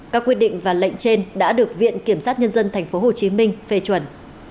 các quyết định và lệnh trên đã được viện kiểm sát nhân dân tp hcm phê chuẩn